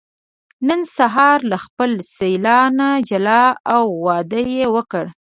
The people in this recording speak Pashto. نن ساره له خپل سېل نه جلا او واده یې وکړ.